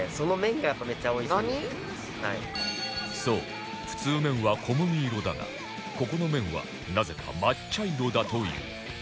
そう普通麺は小麦色だがここの麺はなぜか真っ茶色だという